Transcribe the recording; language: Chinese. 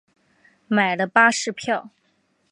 买了巴士票